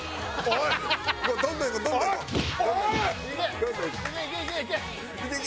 おい！